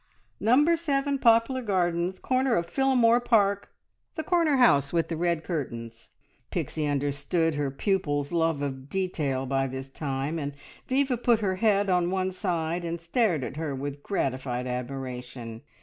"Number Seven, Poplar Gardens, corner of Phillamore Park the corner house with the red curtains!" Pixie understood her pupil's love of detail by this time, and Viva put her head on one side and stared at her with gratified admiration.